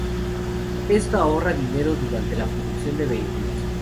Esto ahorra dinero durante la producción de vehículos.